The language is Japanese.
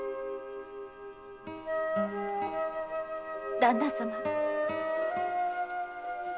旦那様。